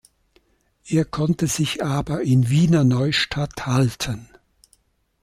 Er konnte sich aber in Wiener Neustadt halten.